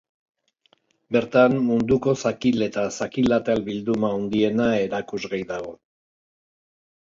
Bertan, munduko zakil eta zakil atal bilduma handiena erakusgai dago.